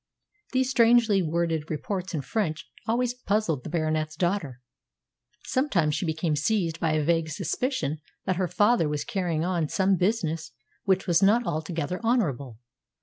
These strangely worded reports in French always puzzled the Baronet's daughter. Sometimes she became seized by a vague suspicion that her father was carrying on some business which was not altogether honourable.